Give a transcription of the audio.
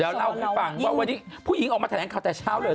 เดี๋ยวเล่าให้ฟังว่าวันนี้ผู้หญิงออกมาแถลงข่าวแต่เช้าเลย